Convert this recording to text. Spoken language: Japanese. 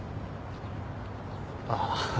ああ。